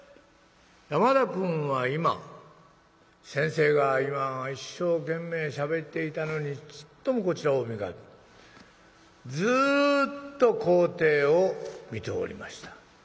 「山田くんは今先生が今一生懸命しゃべっていたのにちっともこちらを見ずずっと校庭を見ておりました。